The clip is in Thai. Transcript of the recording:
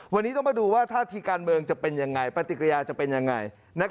วันนี้ต้องมาดูว่าท่าทีการเมืองจะเป็นยังไงปฏิกิริยาจะเป็นยังไง